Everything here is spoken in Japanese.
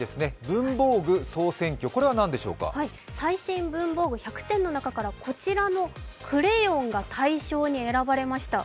文房具総選挙、これは何でしょうか最新文房具１００点の中からこちらのクレヨンが大賞に選ばれました。